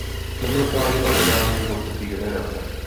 Momentálně se vyrábí jeho třetí generace.